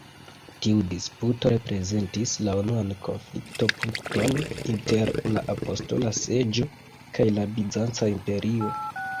Tiu disputo reprezentis la unuan konflikto-punkton inter la Apostola Seĝo kaj la bizanca imperio.